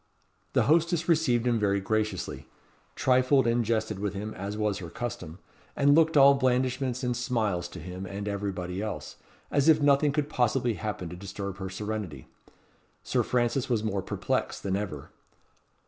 The hostess received him very graciously; trifled and jested with him as was her custom, and looked all blandishments and smiles to him and everybody else, as if nothing could possibly happen to disturb her serenity. Sir Francis was more perplexed than ever.